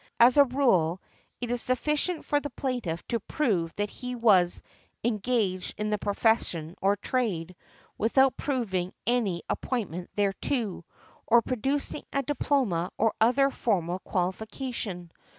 As a rule, it is sufficient for the plaintiff to prove that he was engaged in the profession or trade, without proving any appointment thereto, or producing a diploma or other formal qualification.